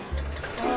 ああ。